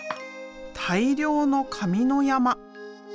大量の紙の山。